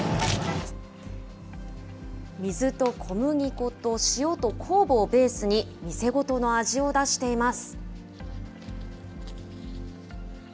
水と小麦粉と塩と酵母をベースに、店ごとの味を出しています。